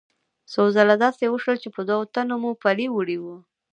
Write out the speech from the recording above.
څو ځله داسې وشول چې په دوو تنو مو پلي وړي وو.